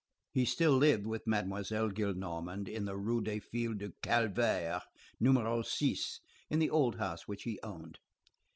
He still lived with Mademoiselle Gillenormand in the Rue des Filles du Calvaire, No. 6, in the old house which he owned.